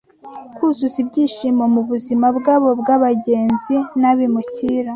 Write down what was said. kuzuza ibyishimo mu buzima bwabo bw’abagenzi n’abimukira